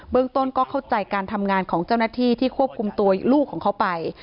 เรื่องต้นก็เข้าใจการทำงานของเจ้าหน้าที่ที่ควบคุมตัวลูกของเขาไป